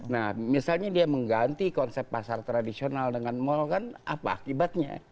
nah misalnya dia mengganti konsep pasar tradisional dengan mal kan apa akibatnya